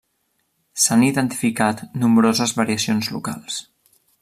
S'han identificat nombroses variacions locals.